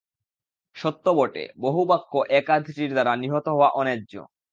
সত্য বটে, বহু বাক্য এক-আধটির দ্বারা নিহত হওয়া অন্যায্য।